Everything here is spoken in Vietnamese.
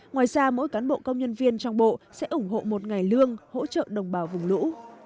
ngoài ra mỗi cán bộ công nhân viên trong bộ sẽ ủng hộ một ngày lương hỗ trợ đồng bào vùng lũ